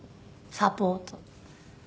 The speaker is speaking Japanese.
サポート。